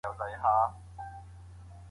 دا څرګندوي چي خلګ څنګه یو بل سره اړیکه لري.